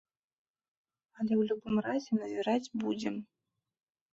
Але ў любым разе назіраць будзем.